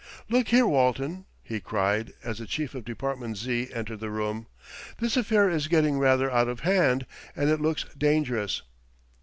"Look here, Walton," he cried as the chief of Department Z. entered the room. "This affair is getting rather out of hand, and it looks dangerous.